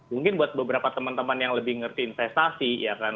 mungkin buat beberapa teman teman yang lebih ngerti investasi ya kan